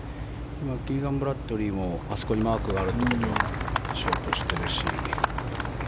キーガン・ブラッドリーもあそこにマークがあるということはショートしてるし。